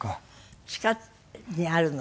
地下にあるの？